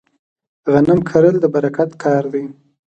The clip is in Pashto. غنم کرل د برکت کار دی.